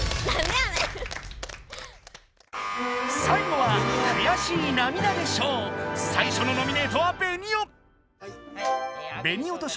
最後は最初のノミネートはベニオ！